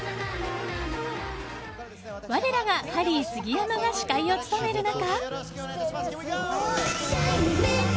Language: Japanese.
我らがハリー杉山が司会を務める中。